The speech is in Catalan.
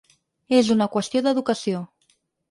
És una qüestió d’educació.